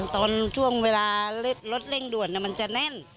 ตอนช่วงเวลารถเร่งด่วนมันจะแน่น